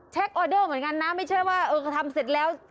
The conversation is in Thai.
ออเดอร์เหมือนกันนะไม่ใช่ว่าเออก็ทำเสร็จแล้ว